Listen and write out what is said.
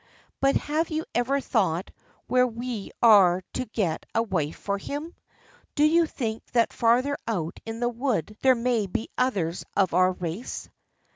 But have you ever thought where we are to get a wife for him? Do you think that farther out in the wood there may be others of our race?"